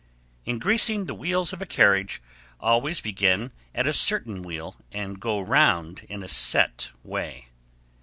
In greasing the wheels of a carriage, always begin at a certain wheel and go round in a set way.